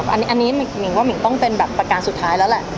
อันนี้หมิ่งว่ามิ่งต้องเป็นแบบประการสุดท้ายแล้วแหละ